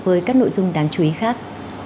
với các nội dung đáng chú ý khác